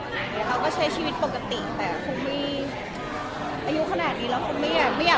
เขาก็ใช้ชีวิตปกติแต่คงไม่อายุขนาดนี้แล้วคงไม่อยากไม่อยาก